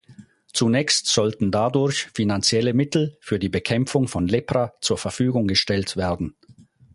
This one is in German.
Zunächst sollten dadurch finanzielle Mittel für die Bekämpfung von Lepra zur Verfügung gestellt werden.